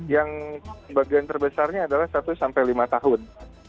yang bagian terbesarnya adalah satu sampai lima tahun